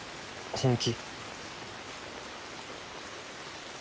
本気？